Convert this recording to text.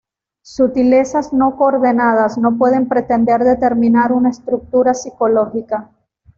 Sutilezas no coordenadas no pueden pretender determinar una estructura psicológica.